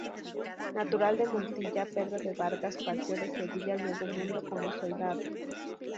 Natural de Montilla, Pedro de Vargas partió de Sevilla al Nuevo Mundo como soldado.